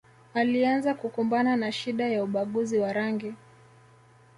Alianza kukumbana na shida ya ubaguzi wa rangi